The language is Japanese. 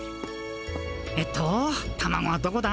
えっとタマゴはどこだ？